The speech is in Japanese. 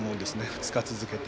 ２日続けて。